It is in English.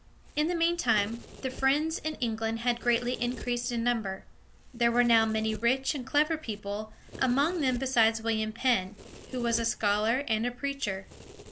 In the meantime, the Friends in England had greatly increased in number. There were now many rich and clever people among them besides William Penn, who was a scholar and a preacher.